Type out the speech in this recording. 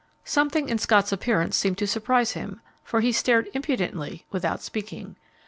Something in Scott's appearance seemed to surprise him, for he stared impudently without speaking.